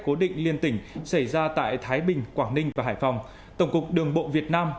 cố định liên tỉnh xảy ra tại thái bình quảng ninh và hải phòng tổng cục đường bộ việt nam